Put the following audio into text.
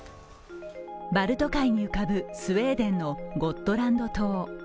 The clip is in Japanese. バルト海に浮かぶスウェーデンのゴットランド島。